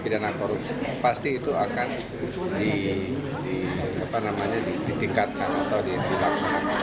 pidana korupsi pasti itu akan ditingkatkan atau dilaksanakan